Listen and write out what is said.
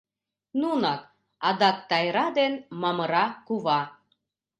Нунак, адак Тайра ден Мамыра кува.